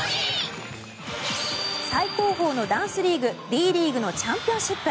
最高峰のダンスリーグＤリーグのチャンピオンシップ。